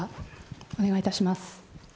お願いいたします。